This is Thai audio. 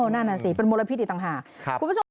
นั่นสิเป็นมลพิษอีกต่างหาก